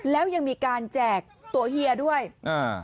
แล้วยังมีการแจกตัวเฮียด้วยอ่า